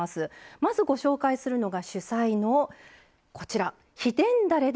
まずご紹介するのが主菜の秘伝だれで！